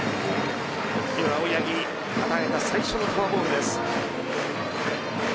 青柳が与えた最初のフォアボールです。